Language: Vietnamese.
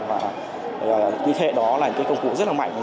những hệ đó là công cụ rất là mạnh